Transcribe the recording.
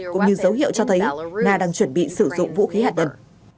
cũng như dấu hiệu cho thấy nga đang chuẩn bị sử dụng vũ khí hạt nhân